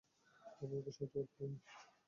আমি ওকে সাহায্য করতে পারিনি।